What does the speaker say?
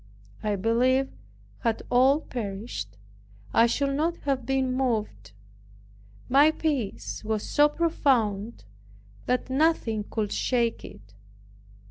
I believe, had all perished, I should not have been moved. My peace was so profound that nothing could shake it.